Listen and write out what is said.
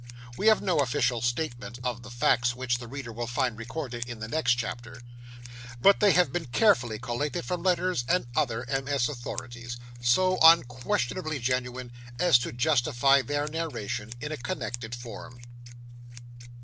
We have no official statement of the facts which the reader will find recorded in the next chapter, but they have been carefully collated from letters and other MS. authorities, so unquestionably genuine as to justify their narration in a connected form.